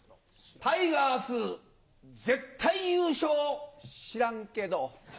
タイガース絶対優勝知らんけど。